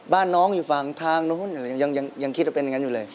บ้านน้องอยู่ฝั่งทางนู้นยังคิดว่าเป็นอย่างนั้นอยู่เลย